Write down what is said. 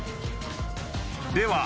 では